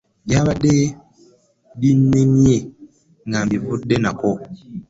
Byabadde binnemye nga mbivudde nako.